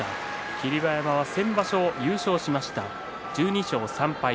霧馬山は先場所優勝しました１２勝３敗。